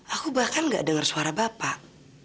aku bahkan gak dengar suara bapak